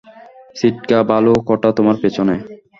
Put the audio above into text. সিটকা, ভালুকটা তোমার পেছনে।